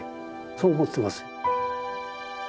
そう思ってます。